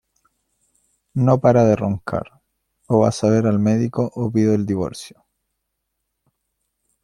No para de roncar: o vas a ver al médico o pido el divorcio.